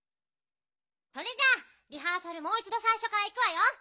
それじゃあリハーサルもういちどさいしょからいくわよ。